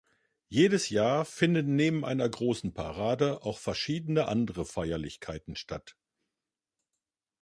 Jedes Jahr finden neben einer großen Parade auch verschiedene andere Feierlichkeiten statt.